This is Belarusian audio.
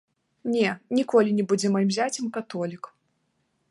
Не, ніколі не будзе маім зяцем католік.